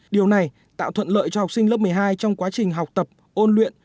điều này tạo thuận lợi cho học sinh lớp một mươi hai trong quá trình học tập ôn luyện